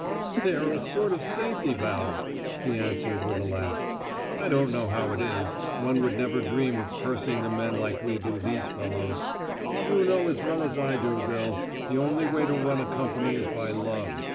"They're a sort of safety valve," he answered with a laugh. "I don't know how it is, one would never dream of cursing the men like we do these fellows. You know as well as I do, Bill, the only way to run a company is by love.